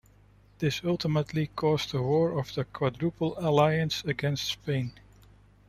This ultimately caused the War of the Quadruple Alliance against Spain.